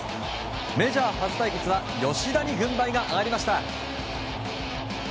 メジャー初対決は吉田に軍配が上がりました。